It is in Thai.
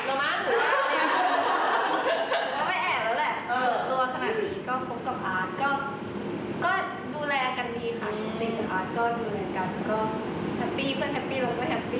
ก็ไม่แอบแล้วแหละตัวขนาดนี้ก็คบกับอาร์ตก็ดูแลกันดีค่ะจริงอาร์ตก็ดูแลกันก็แฮปปี้เพื่อนแฮปปี้เราก็แฮปปี้